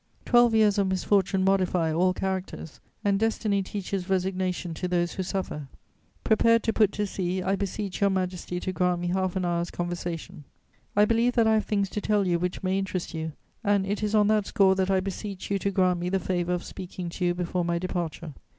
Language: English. Twelve years of misfortune modify all characters, and destiny teaches resignation to those who suffer. Prepared to put to sea, I beseech Your Majesty to grant me half an hour's conversation. I believe that I have things to tell you which may interest you, and it is on that score that I beseech you to grant me the favour of speaking to you before my departure.